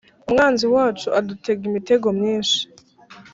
Umwanzi wacu adutega imitego myinshi